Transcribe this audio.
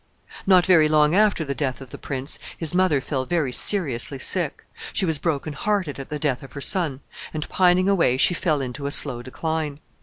Not very long after the death of the prince, his mother fell very seriously sick. She was broken hearted at the death of her son, and pining away, she fell into a slow decline.